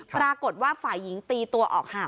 ปรากฏว่าฝ่ายหญิงตีตัวออกห่าง